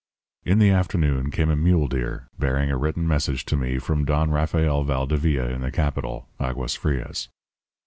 "In the afternoon came a mule rider bearing a written message to me from Don Rafael Valdevia in the capital, Aguas Frias.